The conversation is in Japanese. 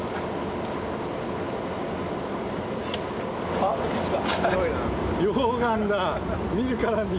あっいくつか。